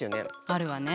あるわね。